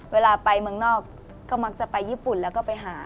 เวลาไปเมืองนอกก็มักจะไปญี่ปุ่นแล้วก็ไปหา